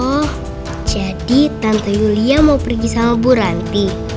oh jadi tante yulia mau pergi sama bu ranti